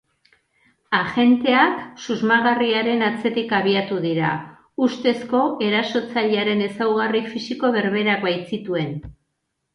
Agenteak susmagarriaren atzetik abiatu dira, ustezko erasotzailearen ezaugarri fisiko berberak baitzituen.